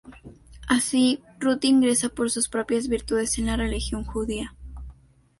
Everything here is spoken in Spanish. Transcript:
Así, Rut ingresa por sus propias virtudes en la religión judía.